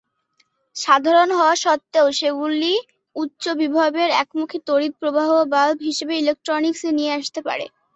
সাধারণ হওয়া সত্ত্বেও সেগুলি উচ্চ বিভবের একমুখী তড়িৎ প্রবাহ ভালভ হিসাবে ইলেকট্রনিক্স এ নিয়ে আসতে পারে।